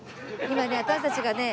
今ね私たちがね